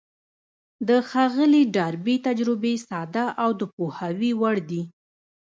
د ښاغلي ډاربي تجربې ساده او د پوهاوي وړ دي.